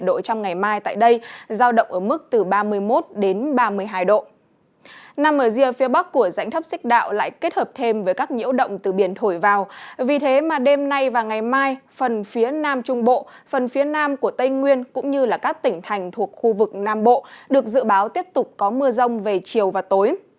đêm nay và ngày mai phần phía nam trung bộ phần phía nam của tây nguyên cũng như là các tỉnh thành thuộc khu vực nam bộ được dự báo tiếp tục có mưa rông về chiều và tối